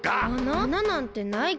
あななんてないけど。